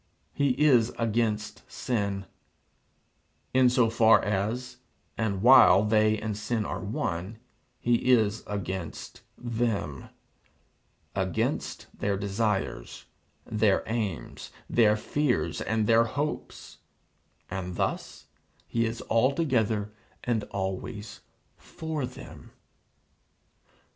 He is against sin: in so far as, and while, they and sin are one, he is against them against their desires, their aims, their fears, and their hopes; and thus he is altogether and always for them.